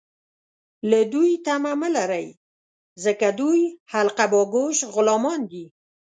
له دوی تمه مه لرئ ، ځکه دوی حلقه باګوش غلامان دي